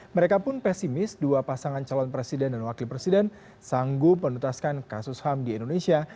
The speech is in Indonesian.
mereka pun pesimis dua pasangan calon presiden dan wakil presiden sanggup menutaskan kasus ham di indonesia